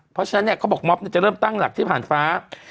เพราะฉะนั้นเนี่ยเขาบอกม็อบจะเริ่มตั้งหลักที่ผ่านฟ้า